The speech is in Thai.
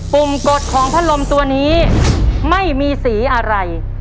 ุ่มกดของพัดลมตัวนี้ไม่มีสีอะไร